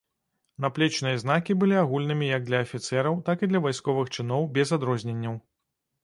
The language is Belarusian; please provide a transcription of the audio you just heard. Наплечныя знакі былі агульнымі як для афіцэраў, так і для вайсковых чыноў, без адрозненняў.